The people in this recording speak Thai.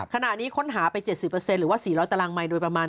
ขณะนี้ค้นหาไป๗๐หรือว่า๔๐๐ตารางไมค์โดยประมาณ